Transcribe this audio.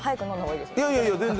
いやいや全然。